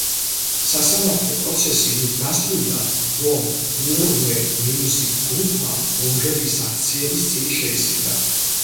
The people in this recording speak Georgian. სასამართლო პროცესი იმით დასრულდა, რომ „უორნერ მიუზიკ გრუპმა“ მომღერლის აქციების წილი შეისყიდა.